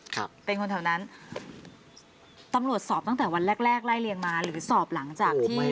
ครับเป็นคนแถวนั้นตำรวจสอบตั้งแต่วันแรกแรกไล่เรียงมาหรือสอบหลังจากที่